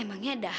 emangnya ada apa